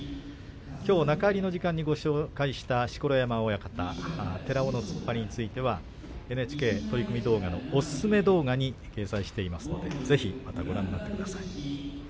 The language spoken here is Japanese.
きょう中入りの時間にご紹介した錣山親方寺尾の突っ張りについてはＮＨＫ取組動画のおすすめ動画に掲載していますのでぜひまたご覧になってください。